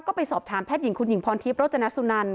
ก็ไปสอบถามแพทย์หญิงคุณหญิงพรทิพย์โรจนสุนัน